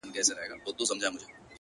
که نه نو ولي بيا جواب راکوي!!